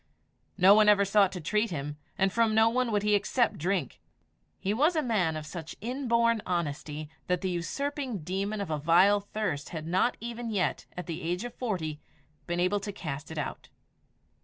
No one ever sought to treat him, and from no one would he accept drink. He was a man of such inborn honesty, that the usurping demon of a vile thirst had not even yet, at the age of forty, been able to cast it out.